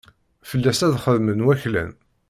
Fell-as ad xeddmen waklan.